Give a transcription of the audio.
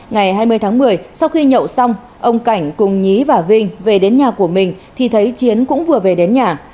ngày hai mươi tháng một mươi sau khi nhậu xong ông cảnh cùng nhí và vinh về đến nhà của mình thì thấy chiến cũng vừa về đến nhà